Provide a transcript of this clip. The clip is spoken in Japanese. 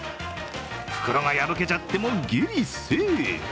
袋が破けちゃっても、ギリセーフ。